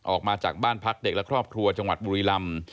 ออกมาจากบ้านพักเด็กและครอบครัวจังหวัดบุรีลำ